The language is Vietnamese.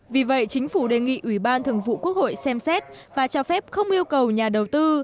vì vậy chính phủ đề nghị ủy ban thường vụ quốc hội xem xét và cho phép không yêu cầu nhà đầu tư